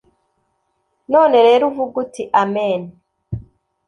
None rero uvuge uti amen